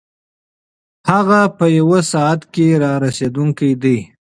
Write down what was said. هغه په یوه ساعت کې رارسېدونکی دی.